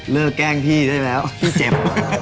แกล้งพี่ได้แล้วพี่เจ็บ